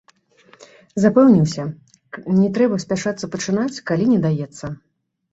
Запэўніўся, не трэба спяшацца пачынаць, калі не даецца.